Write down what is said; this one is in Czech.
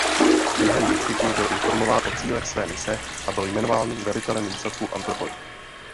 Během výcviku byl informován o cílech své mise a byl jmenován velitelem výsadku Anthropoid.